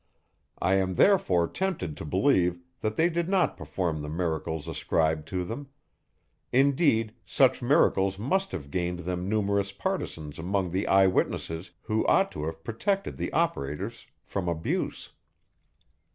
I am therefore tempted to believe, that they did not perform the miracles ascribed to them; indeed, such miracles must have gained them numerous partisans among the eye witnesses, who ought to have protected the operators from abuse.